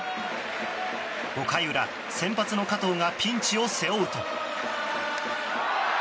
５回裏、先発の加藤がピンチを背負うと。